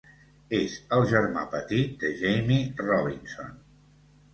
És el germà petit de Jamie Robinson.